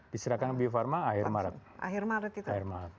diserahkan ke bio farma akhir maret